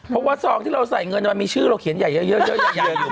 เพราะว่าซองที่เราใส่เงินมันมีชื่อเราเขียนใหญ่เยอะอยู่